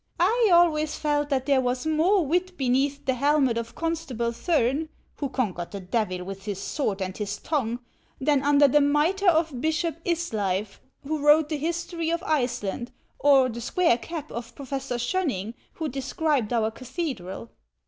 " I always felt that there was more wit beneath the helmet of Constable Thurn, who conquered the Devil with his sword and his tongue, than under the mitre of Bishop Isleif, who wrote the history of Iceland, or the square cap of Professor Shoenning, who described our cathedral."